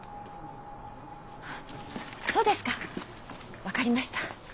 そうですか分かりました。